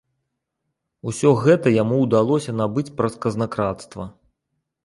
Усё гэта яму ўдалося набыць праз казнакрадства.